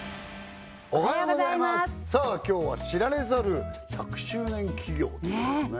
おはようございますさあ今日は知られざる１００周年企業ということですね